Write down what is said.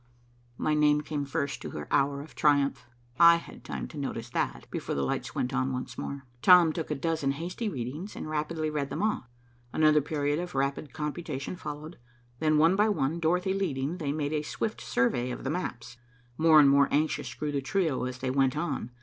My name came first to her hour of triumph. I had time to notice that, before the lights went on once more. Tom took a dozen hasty readings, and rapidly read them off. Another period of rapid computation followed, then one by one, Dorothy leading, they made a swift survey of maps. More and more anxious grew the trio as they went on.